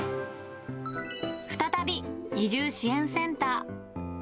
再び、移住支援センター。